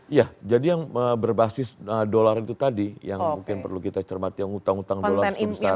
iya jadi yang berbasis dolar itu tadi yang mungkin perlu kita cermati yang hutang hutang dolar cukup besar